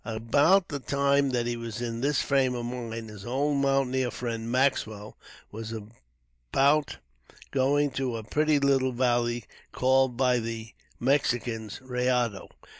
About the time that he was in this frame of mind, his old mountaineer friend, Maxwell, was about going to a pretty little valley called by the Mexicans Rayado.